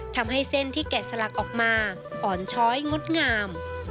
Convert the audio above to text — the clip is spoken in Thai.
ทำให้เส้นที่แกะสลักออกมาอ่อนช้อยงดงาม